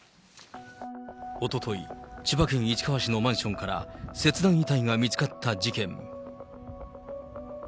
おととい、千葉県市川市のマンションから切断遺体が見つかった事件。